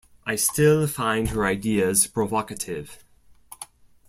I still find her ideas provocative.